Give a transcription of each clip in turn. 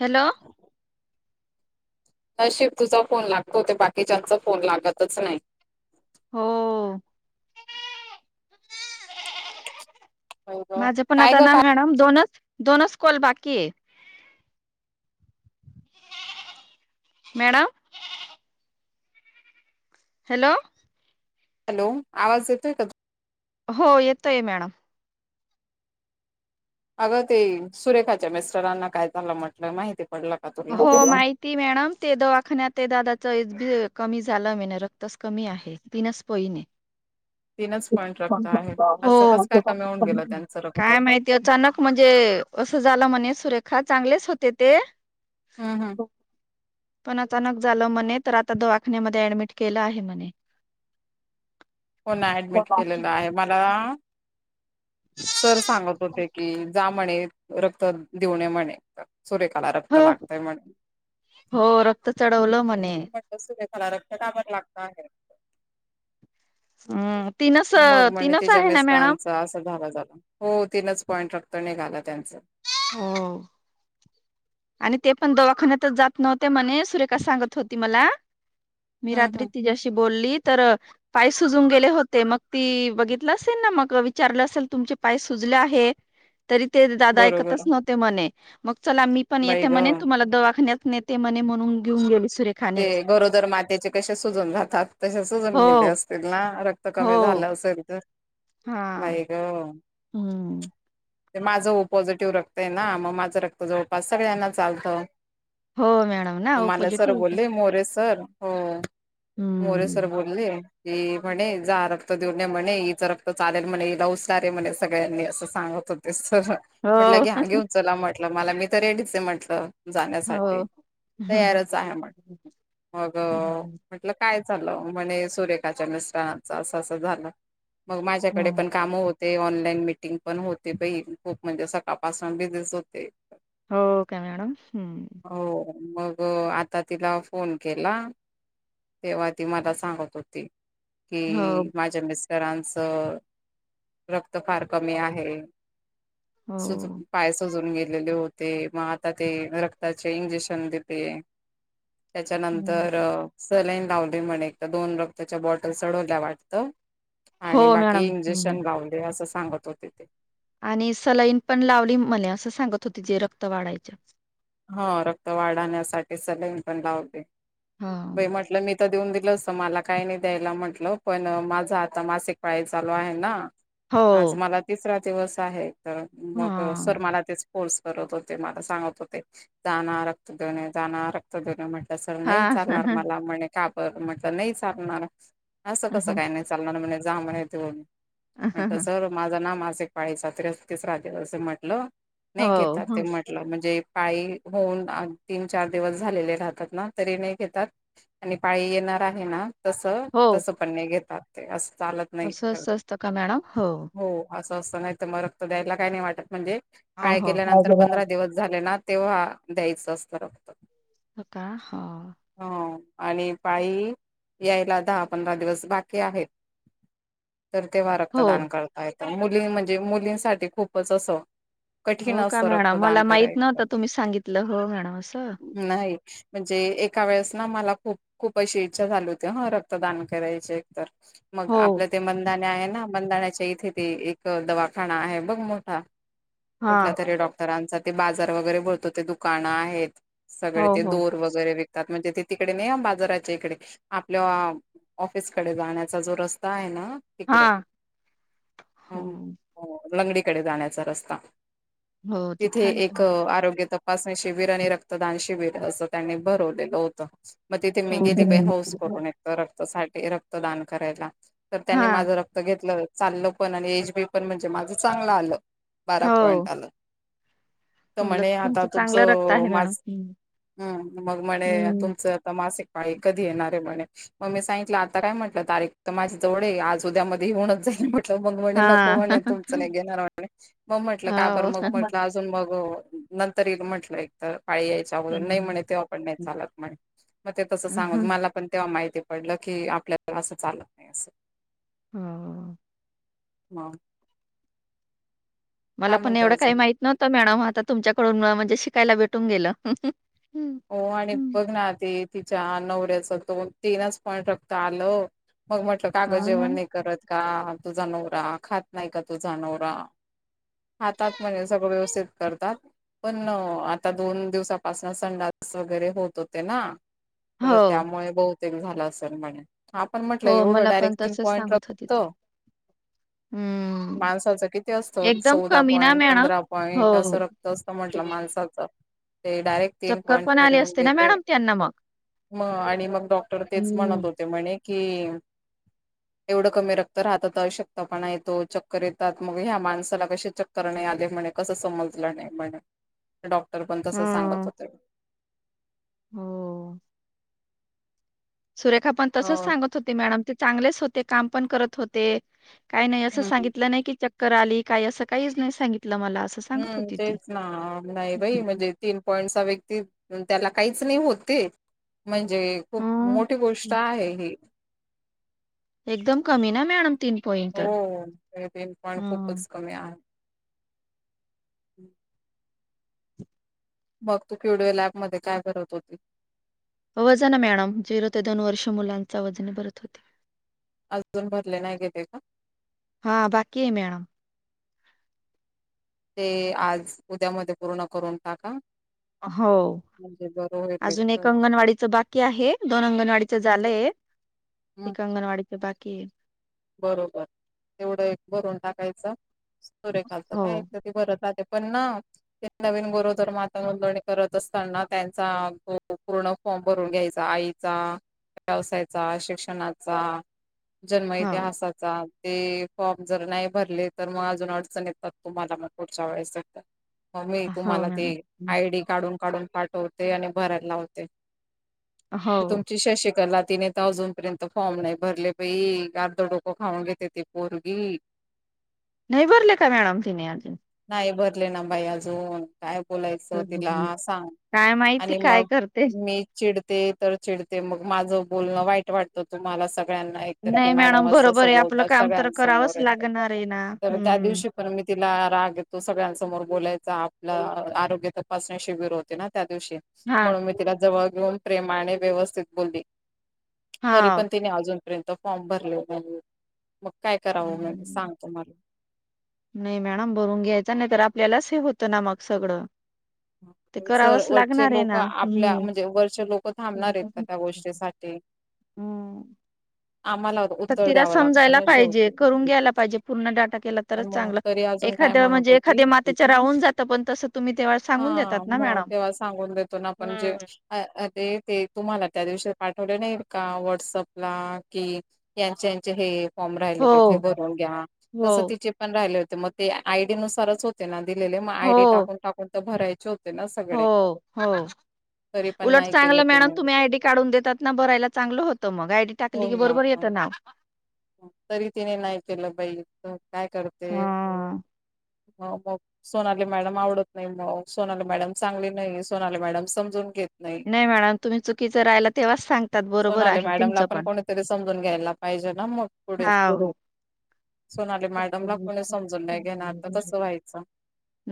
Hello नशीब तुझ phone लागतो ते बाकीच्याचा फोन लागतच नाही हो [unintelligible] होय गं माझं पण काय आता ग ना काय मॅडम दोनच दोनच कॉल बाकी हे मॅडम हॅलो हॅलो आवाज येतोय का तू हो येतोय मॅडम अगं ते सुरेखाच्या मिस्टरांना काय झालं म्हटलं माहिती पडलं का तुला? हो माहिती मॅडम ते दवाखान्या ते दादाच कमी झाला म रक्तच कमी आहे तीनच पोईम तीनच हे पॉईंट रक्त आहे असं हो कसं काय कमी होऊन गेलं त्यांचं रक्त? काय माहितीय अचानक म्हणजे ते असं झालं म्हणे सुरेखा चांगलेच होते ते हम्म हम्म पण अचानक झालं म्हणे तर आता दवाखन्यामध्ये अऍडमिट केलं आहे म्हणे हो ना ऍडमिट केलेलं आहे मला सर सांगत होते की, जा म्हणे रक्त देऊन ये म्हणे. सुरेखाला हो रक्त लागतय म्हणे. हो रक्त चढवलं म्हणे म्हटलं सुरेखाला रक्त का बरं लागणार? हम. मग म्हण तिच्या मिस्टरांचा असा झाला [unintelligible] हो तीनच पॉईंट रक्त ये. त निघाल त्यांचं हो. आणि ते पण दवाखान्यातच जात नव्हते, म्हणे सुरेखा सांगत होती मला. मी हम्म रात्री हम्म तिच्याशी बोलली. तर अ पाय सुजून गेले होते, मग ती बघितलं असेल ना, मग विचारलं असेल तुमचे पाय सुज ले आहे. तरी ते दादा ऐकतच बरोबर नव्हते म्हणे, मग चला मी पण बाई येते ग म्हणे तुम्हाला दवाखान्यात नेते म्हणे, म्हणून घेऊन गेली. ते सुरेखानेच गरोदर मातेचे कसे सुजून जातात, तसे सुजून हो गेले असतील ना, रक्त हो कमी झालं. असेल तर, हा बाई गं. हम्म. ते माझं ओ पॉझिटिव्ह रक्त आहे ना मग माझं रक्त जवळपास सगळ्यांना चालतं. हो मॅडम ना मग ओ मला सर पोझिटिव बोलले मोरे सर हो, मोरे सर हम्म बोलले की म्हणे जा रक्त देऊन ये म्हणे हिचं रक्त चालेल म्हणे, हिला उत्सार आहे म्हणे सगळ्यांनी, असं सांगत होते स म्हटलं घ्या, हो घेऊन चला म्हटलं मला मी तर रेडीच आहे म्हटलं. जाण्यासाठी हो तयारच आहे म्हण मग अ हम्म म्हटलं काय चाललं, म्हणे सुरेखाच्या मिस्टरांचं असं असं झालं, मग हो माझ्याकडे पण कामं होत ते ऑनलाईन मीटिंग पण होते बाई खूप म्हणजे सकाळपासून बिझीच होते. हो का मॅडम? हम्म. हो मग अ आता तिला फोन केला, तेव्हा ती मला सांगत होती. हो कि माझ्या मिस टरांचं रक्त फार कमी आहे. हो सुजु पाय सजून गेल लेले होते, मग आता ते रक्ताचे इंजेक्शन देते. हम्म. त्याच्यानंतर अ सलाईन लावली म्हणे, एकत दोन रक्ताच्या बॉटल चढवल्या वाटतं. हो आणि बाकी मॅडम इंजेक्शन हम्म. लावले असं सांगत होते ते. आणि सलईन पण लावली मला. असं सांगत होती ते रक्त वाढायच्या. ह रक्त वाढण्यासाठी सलाईन पण लावते. हा. बाई म्हटलं मी तर देऊन म्हल मला काही नाही द्यायला म्हंटलं. पण माझा आता मासिक पाळी चालू आहे ना. आज हो. मला तिसरा दिवस आहे. तर मग सर हा मला तेच फोर्स करत होते. मला सांगत होते. जाना रक्त देऊन ये. जाणा रक्त देऊन म्हणतल. तस हा नाही चालणार मला. म्हणे का बर. म्हटलं नाही चालणार. असं कसं काय नाही चालणार म्हणेज. जा म्हणले देऊन हो म्हणत सर माझं ना मासिक पाळीचा अस तेच आज तिसरा दिवस आहे. असं म्हटलं हो. नाही घेतात ते हं. म्हटलं म्हणजे. पाळी होऊन तीन-चार दिवस झालेले राहतात. ना तरी नाही घेतात. आणि पाळी ये येणार आहे ना हो तस पण घेतात नाही ते. चालत नाही असं तर. असं असतं का मॅडम हो असं असत. नाही तर मग रक्त द्यायला काही नाही वाटत म्हणजे. हो पाया हो. हो गेल्यानंतर पंधरा दिवस झाले ना. तेव्हा द्यायचं असतं रक्त. होका हा. ह आणि पाळी यायला दहा पंधरा दिवस बाकी आहेत. तर तेव्हा हो रक्तदान करता येतं. मुली म्हणजे. मुलींसाठी खूपच असं. कठीण हो का असतं मॅडम. रक्तदान मला माहित करायचं नव्हत तुम्ही सांगितलं हो मॅडम असं. नाही म्हणजे एका वेळेस ना मला. खूप-खूप अशी इच्छा झाली होती ह रक्तदान करायचे एकतर. मग हो आपलं ते मंदाने आहे ना. बंधाण्याच्या इथे ते एक दवाखाना आहे बघ मोठा हा कुठल्या तरी डॉक्टरांचा ते बाजार वगैरे बोलतो ते दुकानं आहेत हो सगळे ते हो दोर वगैरे विकतात म्हणजे ते तिकडे नाही बाजाराच्या इकडे आपल्या ऑफिसकडे जाण्याचा जो रस्ता आहे ना तिकडे हा. हो लंगडीकडे जाण्याचा रस्ता हो तिथे तिथं एक आहे. आरोग्य तपासणी शिबिर आणि रक्तदान शिबिर असं त्यांनी भरवलेलं होतं मग तिथे मी गेली बे हो हौस करून येतो रक्त सा रक्तदान करायला तर त्यांनी हा माझं रक्त घेतलं चाललं पण आणि एज बी पण म्हणजे माझं चांगलं आलं बारा पॉइंट आलं तर म्हणे आता तुमलाुमच तुमचं मा् मग म्हणे हम्म. तुमचं आता मासिक पाळी कधी येणार अरे म्हणे मग मी सांगितलं आता काय म्हटलं तारीख तर माझ्या जवळ आहे आज उद्यामध्ये येऊनच जाईल मग म्हणे नको हां, म्हणे तुमचं नाही घेणार म्हणे मग म्हटलं का बर हो. मग म्हंटलं अजून मग नंतर एक म्हटलं एक तर काळी यायच्या अगोदर नाही म्हणे तेव्हा पण नाही चालत म्हणे मग ते तसं हं, सांगून हं. मला पण तेव्हा माहिती पडलं की आपल्याला असं चालत नाही अस होम हां मला पण एवढं काही माहित नव्हतं मॅडम आता तुमच्याकडून म्हणजे शिकायला भेटून गेलं हं, हो आणि हं. बघ ना ते तिच्या नवऱ्याच तो तीनच पॉइंट रक्त आलं मग म्हटलं कागद हो ना. जेवण नाही करत का तुझा नवरा खात नाही का तुझा नवरा हातात म्हणजे सगळं व्यवस्थित करतात पण आता दोन दिवसापासन संडा वगैरे होत होते ना तर हो, त्यामुळे बहुतेक झालं असेल म्हणे आपण म्हटलं हो. एवढं मला पण डायरेक्ट तिन तसंच पॉइंट सांगत होती ती. रघतो हं. माणसाचं किती असतं एकदम चौदा कमी ना पॉईंट मॅडम? पंधरा पॉईंट असं हो. रक्त असतं म्हंटलं माणस ते डायरेक्ट तीन मण आले असते ना मॅडम त्यांना मग म आणि मग डॉक्टर तेच हं, म्हणत होते म्हणे की एवढं कमी रक्त हातात आवश्यकता पणा येतो चक्कर येतात मग ह्या माणसाला कसे चक्कर नाही आले म्हण कस समज नाही डॉक्टर पण तस सांगत हं. होते हो सुरेखा पण तसच हो सांगत होती मॅडम ते चांगलेच होते काम पण करत होते काही नाही असं हम्म सांगितलं नाही की चक्कर आली काय असं काहीच नाही सांगित हम्म तेच ना नाही बाई हम्म. म्हणजे तीन पॉईंटचा व्यक्ती त्याला काहीच नाही होते म्हणजे खूप हं. मोठी गोष्ट आहे ही एकदम कमी ना मॅडम तीन पॉईंट तर हो पण हा खूपच कमी आहे हम् मग तू क्युडिओ लॅब मध्ये काय करत होती व वजन मॅडम झिरो ते दोन वर्ष मुलांचा वजने भरत होते अजून भरले नाही घेते का हा बाकी आहे मॅड ते आज उद्यामध्ये पूर्ण करून टाका हो म्हणजे बरं होईल अजून तर. एक अंगणवाडीचं बाकी आहे दोन अंगणवाडीच हम्म. झालंय हम्म ते अंगनवाडीचे बाकी बरोबर तेवढं एक बरून टाकायचं तोरे खालत हो काय तेत पण ना ते नवीन गोरोदर माता नोंदणी करत असताना त्यांचा पूर्ण भरून घ्यायचा आई व्यवसाय शिक्षणाचा जन्म... हो इतिहासाचा... ते फॉर्म जर नाही भरले तर मग अजून अडचण येतात तुम्हाला मग पुढच्या वेळेस... म मी हो तुम्हाला मॅडम ते आय डी काढून काढून पाठवते आणि भरायला लावते... हो तुमची शशिकला तिने तर अजूनपर्यंत फॉर्म नाही भरले पहि.. डोको खाऊन घेते ती पोरगी.. नाही बरले काय मॅडम तिने आज. नाही भरले ना बाई अजून... काय बोलायचं तिला हम्म. सांग काय माहिती आणि काय मग करते मी चिड.. ते तर चिडते मग माझं बोलणं वाईट वाटतं तुम्हाला सगळ्यांना एकत की नाही मॅडम... बरोबर आहे आपलं बोलता काम तर करावंच सगळ्यांसमोर लागणार आहे ना तर त्या हम्म दिवशी पण मी तिला राग येतो सगळ्यांमोर ब आपल्या इथं आरोग्य तपास शिबर होते ना त्या दिव हा म्हणून मी ति जवळ घेऊन प्रमाणे व्यवस्थित बोलली तरी हा पण तिने अजूनपर्यंत फॉर्म भरले.. मग काय करावं म हम्म. सांग तुम्हाला.. नाही मॅडम भरून घ्यायच नाही तर आपल्यालाच हे होतं ना मग सगळं... ते [unintelligible] सर करावंच वरचे लागणार आहे लोक ना आपल्या हम्म म्हणजे वरचे लोक थांबणार आहेत का त्या गोष्टीसाठी... हम्म. [unintelligible] तर उत्तर तिला द्यावं लागतं समजायला ना पाहिजे शेवटी करून घ्यायला पाहिजे पूर्ण डाटा केला तरच मग चांगलं.. तरी अजून काय एखाद्या म्हणत म्हणजे एखाद होती मात्याच्या राहून जातं पण तसं तुम्ही तेव्हा.. सांगून देतात हा ना मग मॅडम तेव्हा सांगून देतो ना आपण जे ते ते तुम्हाला... त्या दिवशी पाठवले नाहील का व्हॉटसअप ला कि यांचे यांचे हे.. फॉर्म राहिले हो तिथे भरून घ्या हो तस तिचे पण राहिले होते मग ते आयडी नुसारच होते ना... दिले मग आयडी हो टाकून टाकून तर भरायचे हो... हो हो.. तरी पण उलट नाही केलं चांगलं मॅड तिने तुम्ही आयडी काढून देतात ना भरायला चांगलं होतं मग आयडी टाकली की होऊन बरोबर येत.. जातं. ना.. तरी तिने नाही केलं बाई काय करते.. हा. म मग सोनाली मॅडम आवडत नाही मग सोनाली मॅडम चांगली नाही सोनाली मॅडम समजून घेत.. नाही मॅडम तुम्ही चुकीचं राहिला तेव्हाच सांगतात बरोबर सोनाले आहे मॅडमला तुमचं पण कोणीतरी समजून घ्यायला पाहिजे.. [unintelligible] हा.. हो.. सोनाली मॅडमला कोणी समजून नाही घेणार तर कसं व्हायचं...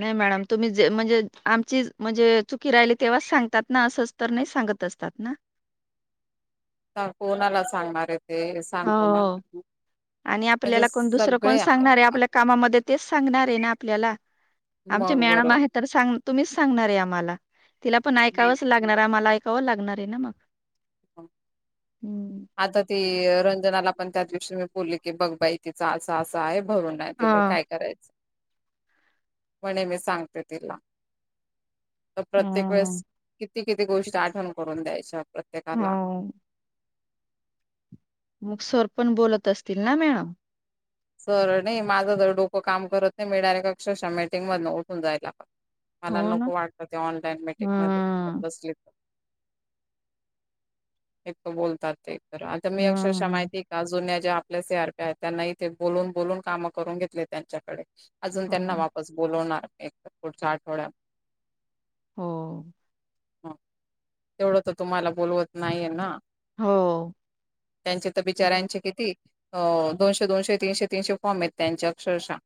नाही मॅडम तुम्ही ज म्हणजे आमची.. फिरायला लागले तेव्हा सांगतात ना असेच तर नाही सांगत ना.... ह कोणाला सांगणार आहे.. ते सांग तुम्हाला हो आणि म्हणजे आपल्याला कोण दुसरं कोण सगळे सांगणार आहे आपल्या कामामध्ये... तेच सांगणार आहे ना आपल्याला आमचे मग मॅडम बरं. आहे तर सांग तुम्हीच सांगणार आहे आम्हाला.. तिला पण ऐकावंच लागणार आम्हाला ऐकावंच लागणार आहे ना मग... [unintelligible] हं. आता ती रंजनाला पण त्या दिवशी मी बोलली की बघ बाई तिचं असा असा आहे. भरून ना दिले हां. काय करायचं.. म्हणे मी सांगते तिला... तर प्रत्येक हं, वेळेस किती किती गोष्ट आठवण करून द्यायच्या प्रत्येकाला... हो. मग सर पण बोलत असतील ना मॅडम... सर नाही माझं तर डोकं काम करत नाही मी डायरेक्ट अक्षशः मीटिंग मध उठून जायला लागत... मला हो ना. नको वाटत ते ऑनलाईन मेट्रिक मध्ये तर हं, बसली तर.. हे तर बोलतात ते... तर आता मी अक्षरशः हं. माहिती का जुन्या ज्या आपल्या सी आर पी आहेत त्यांना... ते बोलून बोलून काम करून घेतले त्यांच्याकडे अजून त्यांना हो, वापस बोलवणार... एक पुढचा आठवड्या, हो [unintelligible] तेवढं. हो, त्यांचे तर बिचार्यांचे किती, अ दोनशे दोनशे तीनशे तीनशे फॉर्म येत त्यांच्या अक्षरशः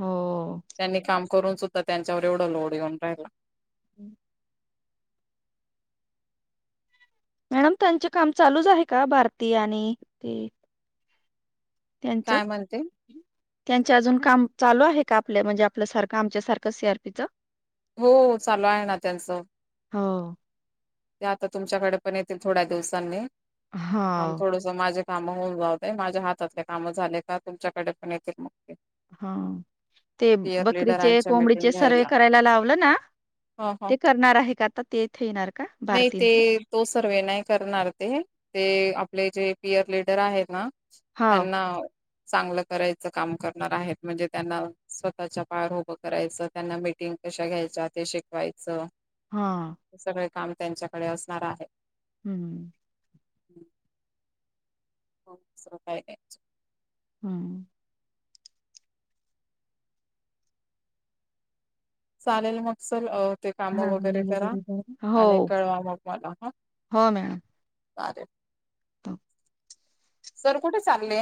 हो. त्यांनी काम करून सुद्धा त्यांच्यावर एवढं लोड येऊन राहिला. [unintelligible] मॅडम त्यांचे काम चालूच आहे. का भारती आणि ते, काय म्हणते! त्यांच्या अजून काम चालू आहे का, आपल्या म्हणजे आपल्यासारखं आमच्या सारखं सी आरपीच, हो चालू आहे ना त्यांचं. हो ते आता तुमच्याकडे पण येतील, थोड्या दिवसांनी हा थोडस माझ्या, काम होऊन जाऊतय माझ्या हातातले काम, ते. हा ते पीयर बकरीचे लिडरांच्या मीटिंग कोंबडीचे सर्वे घ्यायला करायला लावलं ना. ह ह ते करणार आहे का आता ते येणार, का नाही भारतीन ते तो सर्वे, आपले जे पियर लीडर आहेत ना हाव त्यांना, चांगलं करायचं काम, फटिंग कशा घ्यायचा ते शिकवायचं. हा, हे सगळे काम त्यांच्याकडे असणार. हम्म [unintelligible] [unintelligible] हम्म चालेल मगसल अ, ते काम वगैरे करा, हा हो आणि कळवा मग मला ह, हो मॅडम अरे [unintelligible] सर कुठे चालले!